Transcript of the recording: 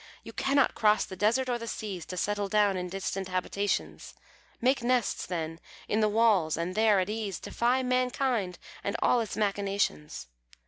You cannot cross the desert or the seas, To settle down in distant habitations; Make nests, then, in the walls, and there, at ease, Defy mankind and all its machinations."